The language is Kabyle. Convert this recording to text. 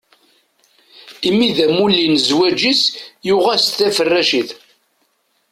Imi d amulli n zzwaǧ-is, yuɣ-as-d taferracit.